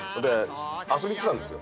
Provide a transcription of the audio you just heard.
遊びに行ってたんですよ